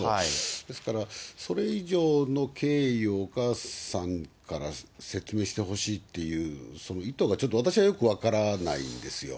ですからそれ以上の経緯をお母さんから説明してほしいっていう、その意図がちょっと私はよく分からないんですよ。